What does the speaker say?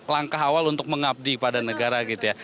langkah awal untuk mengabdi pada negara gitu ya